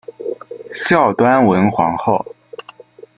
孝端文皇后。